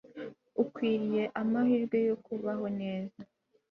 Ukwiriye amahirwe yo kubaho neza